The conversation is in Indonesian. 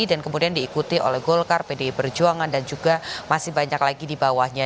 dan kemudian diikuti oleh golkar pdi berjuangan dan juga masih banyak lagi di bawahnya